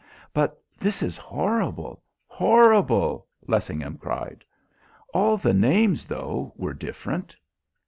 "But this is horrible, horrible," Lessingham cried. "All the names, though, were different."